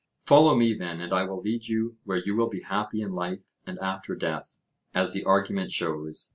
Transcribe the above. Follow me then, and I will lead you where you will be happy in life and after death, as the argument shows.